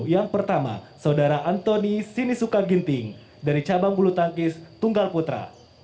yang pertama saudara antoni sinisuka ginting dari cabang bulu tangkis tunggal putra